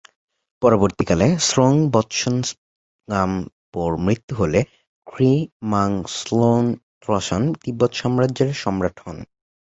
পরবর্তীকালে স্রোং-ব্ত্সন-স্গাম-পোর মৃত্যু হলে খ্রি-মাং-স্লোন-র্ত্সান তিব্বত সাম্রাজ্যের সম্রাট হন।